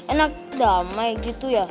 enak damai gitu ya